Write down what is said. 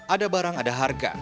ada barang ada harga